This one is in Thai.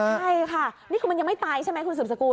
ใช่ค่ะนี่คือมันยังไม่ตายใช่ไหมคุณสืบสกุล